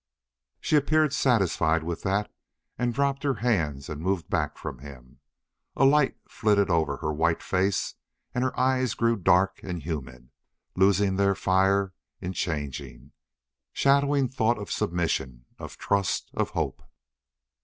She appeared satisfied with that and dropped her hands and moved back from him. A light flitted over her white face, and her eyes grew dark and humid, losing their fire in changing, shadowing thought of submission, of trust, of hope.